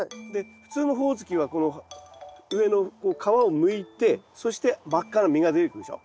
普通のホオズキはこの上の皮をむいてそして真っ赤な実が出てくるでしょ。